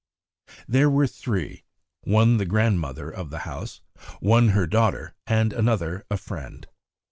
There were three, one the grandmother of the house, one her daughter, and another a friend.